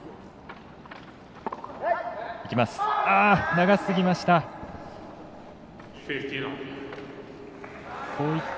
長すぎました。